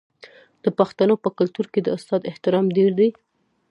د پښتنو په کلتور کې د استاد احترام ډیر دی.